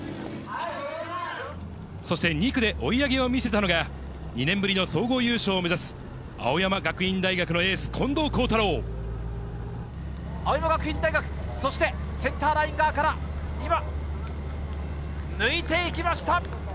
そして２区で追い上げを見せたのが、２年ぶりの総合優勝を目指す青山学院大学のエース、青山学院大学、そしてセンターライン側から今、抜いていきました。